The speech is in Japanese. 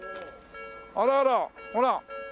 あららほら。